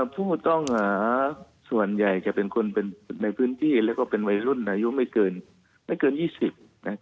พูดต้องส่วนใหญ่จะเป็นคนอยู่ในพื้นที่และเป็นวัยรุ่นอายุไม่เกินยี่สิบ